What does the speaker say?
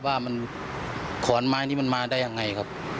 ว่ามันขอนไม้นี้มันมาได้ยังไงครับ